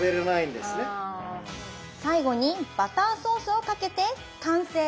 最後にバターソースをかけて完成！